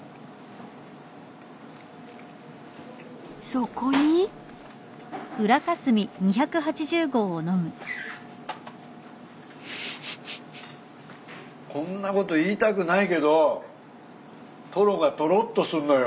［そこに］こんなこと言いたくないけどとろがとろっとすんのよ。